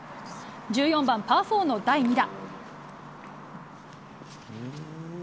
１４番パー４の第２打。